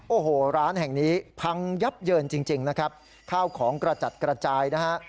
โอ้โหร้านแห่งนี้พังยับเยินจริงจริงนะครับข้าวของกระจัดกระจายนะฮะ